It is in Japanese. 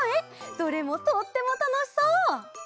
どれもとってもたのしそう！